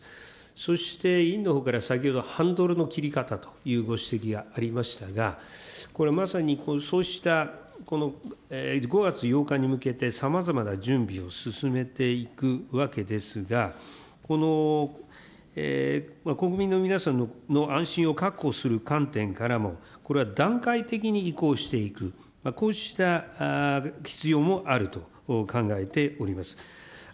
そして委員のほうから、先ほど、ハンドルの切り方というご指摘がありましたが、これ、まさにそうしたこの５月８日に向けて、さまざまな準備を進めていくわけですが、国民の皆さんの安心を確保する観点からも、これは段階的に移行していく、こうした必要もあると考えております。